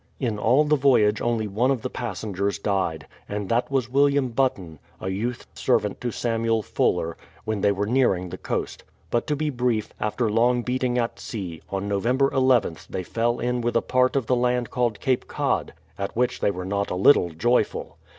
In all the voyage only one of the passengers died, and that was William Button, a youth, servant to Samuel Fuller, 64 BRADFORD'S HISTORY OF when they were nearing the coast. But to be brief, after long beating at sea, on November nth they fell in with a part of the land called Cape Cod, at which they were not a little joyful.